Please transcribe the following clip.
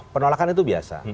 penolakan itu biasa